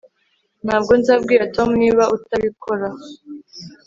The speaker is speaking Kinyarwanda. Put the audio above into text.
Ntabwo nzabwira Tom niba utabikora